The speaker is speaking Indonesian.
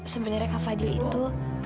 sebenarnya kak fadil itu